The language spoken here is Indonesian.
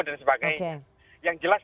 dan sebagainya yang jelas